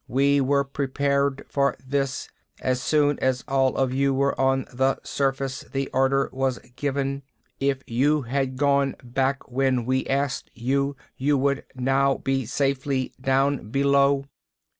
We were prepared for this. As soon as all of you were on the surface, the order was given. If you had gone back when we asked you, you would now be safely down below.